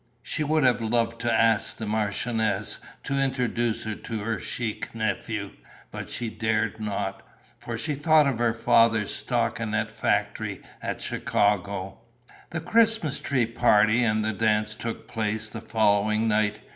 She would have loved to ask the marchioness to introduce her to her chic nephew, but she dared not, for she thought of her father's stockinet factory at Chicago. The Christmas tree party and the dance took place the following night.